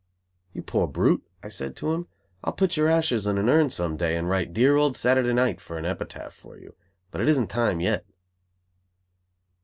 "You poor brute," I said to him. "I'll put your ashes in an urn some day and write "Dear Old Saturday Night" for an epitaph for you; but it isn't time yet."